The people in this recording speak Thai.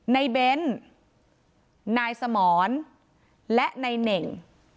ในเบ้นนายสมรและนายเหน่ง